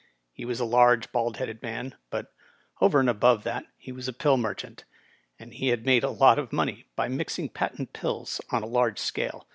He was a large, bald headed man, but, over and above that, he was a pill merchant, and had made a lot of money by mixing patent pills on a large scale.